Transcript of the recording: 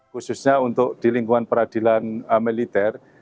khususnya untuk di lingkungan peradilan militer